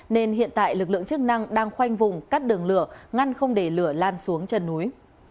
nên hiện tại lực lượng chức năng đang khoanh vùng cắt đường lửa ngăn không để lửa lan xuống chân núi